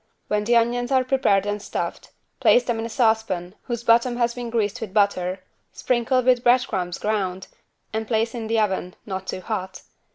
When the onions are prepared and stuffed place them in a saucepan whose bottom has been greased with butter, sprinkle with bread crumbs ground and place in the oven, not too hot.